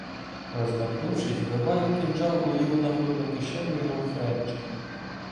Розмахнувшись, вбиваю кинджал у ліву нагрудну кишеню його френча.